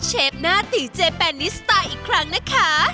เชฟหน้าตีเจแปนิสไตล์อีกครั้งนะคะ